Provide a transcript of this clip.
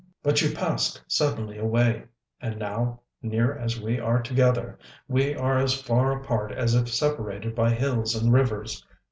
But you passed suddenly away; and now, near as we are together, we are as far apart as if separated by hills and rivers.